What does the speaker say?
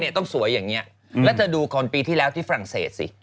ต้องสวยอย่างนี้แล้วเธอดูคนปีที่แล้วที่ฝรั่งเศสสิ